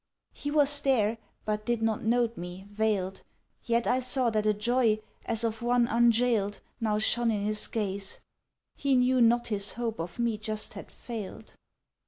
"He was there, but did not note me, veiled, Yet I saw that a joy, as of one unjailed, Now shone in his gaze; He knew not his hope of me just had failed!